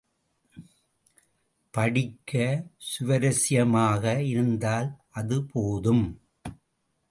படிக்க சுவரஸ்யமாக இருந்தால் அது போதும்.